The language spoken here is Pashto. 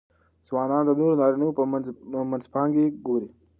ځوانان د نورو نارینهوو منځپانګې ګوري.